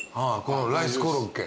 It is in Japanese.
ライスコロッケ。